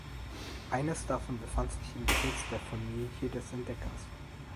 Eines davon befand sich im Besitz der Familie des Entdeckers.